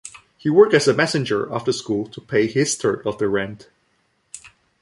He worked as a messenger after school to pay his third of the rent.